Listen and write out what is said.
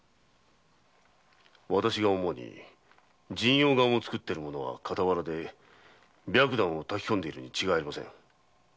思うに神陽丸を作っている者は傍らで白檀を薫き込んでいるに違いありません。